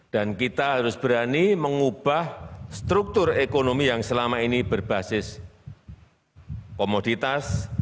dan kita harus berani mengubah struktur ekonomi yang selama ini berbasis komoditas